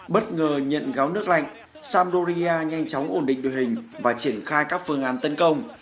bất ngờ nhận gáo nước lạnh samdoria nhanh chóng ổn định đội hình và triển khai các phương án tấn công